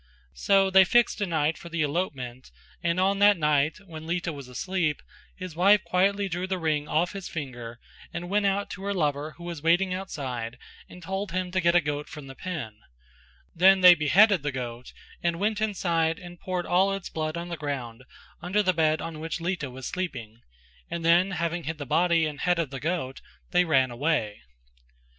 So they fixed a night for the elopement and on that night when Lita was asleep his wife quietly drew the ring off his finger and went out to her lover who was waiting outside and told him to get a goat from the pen; then they beheaded the goat and went inside and poured all its blood on the ground under the bed on which Lita was sleeping, and then having hid the body and head of the goat, they ran away.